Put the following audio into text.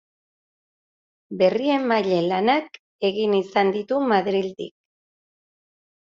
Berriemaile lanak egin izan ditu Madrildik.